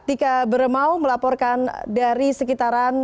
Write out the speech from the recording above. tika beremau melaporkan dari sekitaran